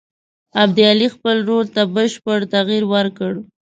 ابدالي خپل رول ته بشپړ تغییر ورکړ.